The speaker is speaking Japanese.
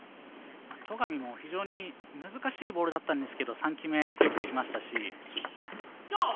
戸上も非常に難しいボールだったんですけど３球目、強く打ちましたし。